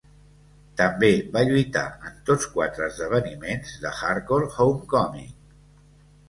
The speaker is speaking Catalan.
També va lluitar en tots quatre esdeveniments de Hardcore Homecoming.